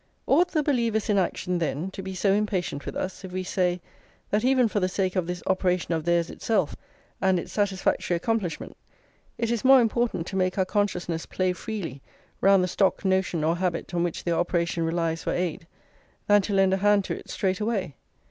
Ought the believers in action, then, to be so impatient with us, if we say, that even for the sake of this operation of theirs itself and its satisfactory accomplishment, it is more important to make our consciousness play freely round the stock notion or habit on which their operation relies for aid, than to lend a hand to it straight away?